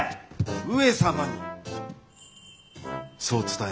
上様にそう伝え。